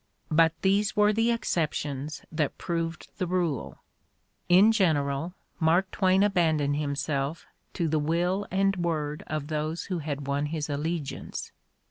But these were the exceptions that proved the rule: in general, Mark Twain abandoned himself to the will and word of those who had won his allegiance.